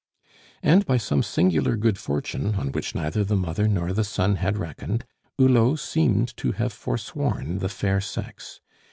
And by some singular good fortune, on which neither the mother nor the son had reckoned, Hulot seemed to have foresworn the fair sex.